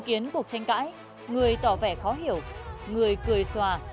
đây mọi người nhìn nhá